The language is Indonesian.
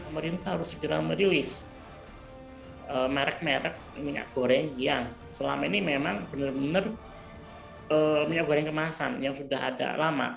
pemerintah harus segera merilis merek merek minyak goreng yang selama ini memang benar benar minyak goreng kemasan yang sudah ada lama